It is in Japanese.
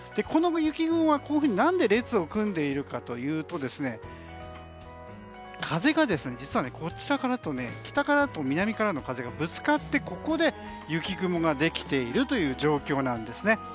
この雪雲は何で列を組んでいるのかというと風が北からと南からの風がぶつかってここで雪雲ができているという状況なんですね。